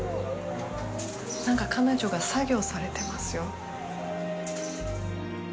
彼女が作業されてますよ。